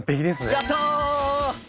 やった！